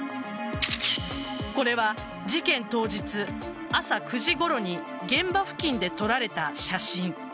これは事件当日、朝９時ごろに現場付近で撮られた写真。